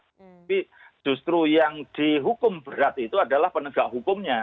tapi justru yang dihukum berat itu adalah penegak hukumnya